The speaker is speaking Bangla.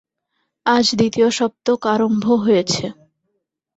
আজ দ্বিতীয় সপ্তক আরম্ভ হয়েছে।